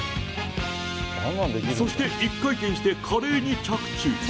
そして一回転して華麗に着地。